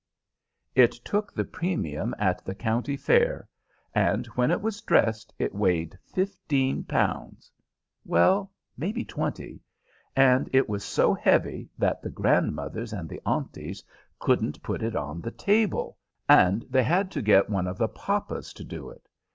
It took the premium at the county fair, and when it was dressed it weighed fifteen pounds well, maybe twenty and it was so heavy that the grandmothers and the aunties couldn't put it on the table, and they had to get one of the papas to do it.